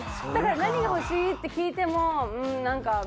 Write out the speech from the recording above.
だから何が欲しいって聞いてもうんなんか。